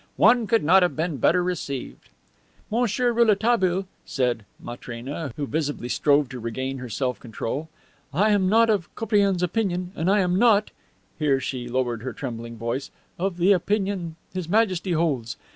One could not have been better received." "Monsieur Rouletabille," said Matrena, who visibly strove to regain her self control, "I am not of Koupriane's opinion and I am not" here she lowered her trembling voice "of the opinion His Majesty holds.